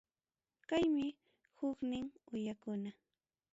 Kaymi huknin uyakuna.